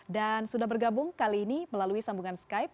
dan sudah bergabung kali ini melalui sambungan skype